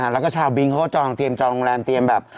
แล้วชาวบิงเขาก็จองตั๋วเตรียมงรัม